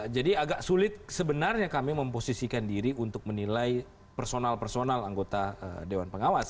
jadi agak sulit sebenarnya kami memposisikan diri untuk menilai personal personal anggota dewan pengawas